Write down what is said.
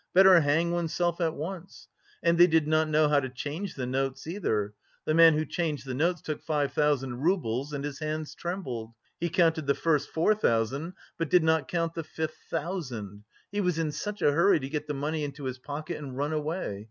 Better hang oneself at once! And they did not know how to change the notes either; the man who changed the notes took five thousand roubles, and his hands trembled. He counted the first four thousand, but did not count the fifth thousand he was in such a hurry to get the money into his pocket and run away.